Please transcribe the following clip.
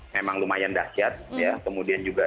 memang lumayan dahsyat ya kemudian juga